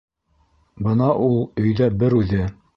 Бына ул өйҙә бер үҙе.